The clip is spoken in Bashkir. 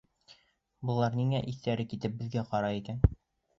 Былар ниңә иҫтәре китеп беҙгә ҡарай икән?